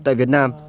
tại việt nam